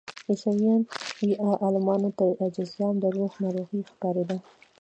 عیسوي عالمانو ته جذام د روح ناروغي ښکارېدله.